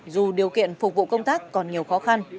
dù điều kiện phục vụ công tác còn nhiều khó khăn